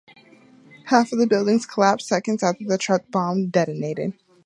Half of the building collapsed seconds after the truck bomb detonated.